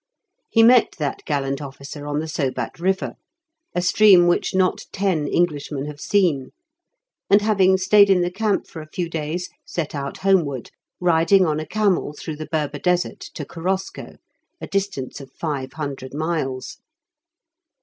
He met that gallant officer on the Sobat river, a stream which not ten Englishmen have seen, and having stayed in the camp for a few days, set out homeward, riding on a camel through the Berber desert to Korosko, a distance of five hundred miles.